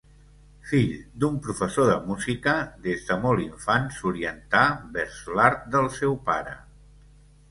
Fill d'un professor de música, des de molt infant s'orientà vers l'art del seu pare.